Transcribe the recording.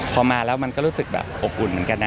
พอมาแล้วมันก็รู้สึกแบบอบอุ่นเหมือนกันนะ